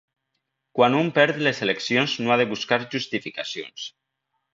Quan un perd les eleccions no ha de buscar justificacions.